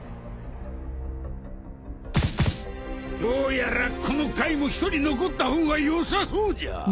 どうやらこの階も１人残った方がよさそうじゃ。